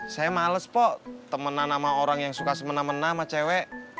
saya males kok temenan sama orang yang suka semena mena sama cewek